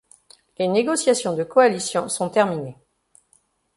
Les négociations de coalition sont terminés.